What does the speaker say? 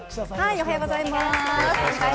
おはようございます。